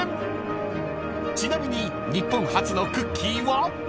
［ちなみに日本初のクッキーは］